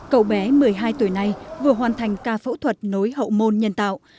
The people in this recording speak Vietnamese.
cậu bé một mươi hai tuổi này vừa hoàn thành ca phẫu thuật nối hậu môn nhân tạo